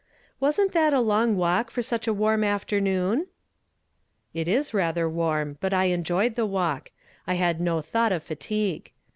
"Wasn't that a long walk for such a warm afternoon ?"" It is rather warm, but I enjoyed the walk ; I had no thought of fatigue.